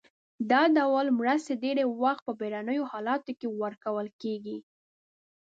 دا ډول مرستې ډیری وخت په بیړنیو حالاتو کې ورکول کیږي.